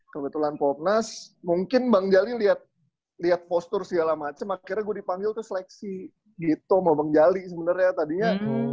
kebetulan popnas mungkin bang jali lihat postur segala macem akhirnya gue dipanggil tuh seleksi gitu mau bang jali sebenarnya tadinya